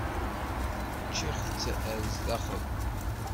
Ččiɣ-tt ar zdaxel.